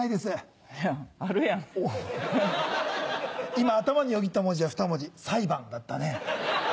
今頭によぎった文字はふた文字「裁判」だったね。